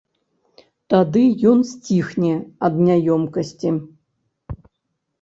Тады ён сціхне ад няёмкасці.